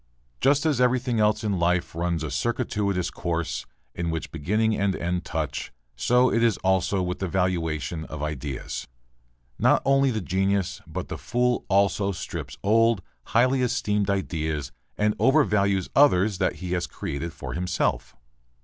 Just as everything else in life runs a circuitous course, in which beginning and end touch, so is it also with the valuation of ideas. Not only the genius, but the fool also strips old, highly esteemed ideas and overvalues others that he has created for himself.